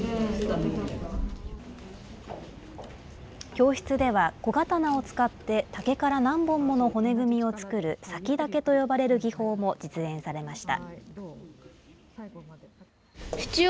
教室では、小刀を使って、竹から何本もの骨組みを作る割竹と呼ばれる技法も実演されました。